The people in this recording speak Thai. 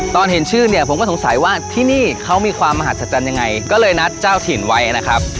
ตอนเห็นชื่อเนี่ยผมก็สงสัยว่าที่นี่เขามีความมหัศจรรย์ยังไงก็เลยนัดเจ้าถิ่นไว้นะครับ